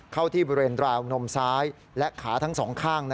เข้าที่เบรนดราอุงนมซ้ายและขาทั้ง๒ข้าง